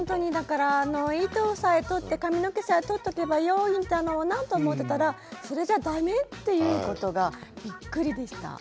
糸さえ取って髪の毛さえ取っていればいいんだろうなと思っていたらそれじゃだめということがびっくりでした。